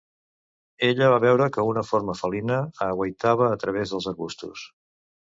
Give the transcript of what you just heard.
Ella va veure que una forma felina aguaitava a través dels arbustos.